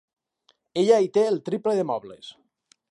Ella hi té el triple de mobles.